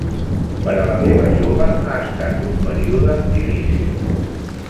Per a la meva jove ha estat un període difícil.